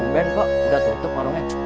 band kok udah tutup warungnya